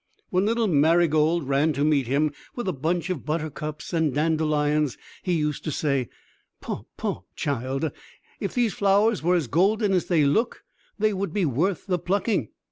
When little Marygold ran to meet him, with a bunch of buttercups and dandelions, he used to say, "Poh, poh, child! If these flowers were as golden as they look, they would be worth the plucking!"